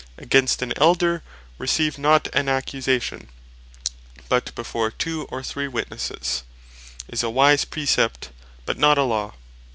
"Against an Elder receive not an accusation, but before two or three Witnesses," is a wise Precept, but not a Law.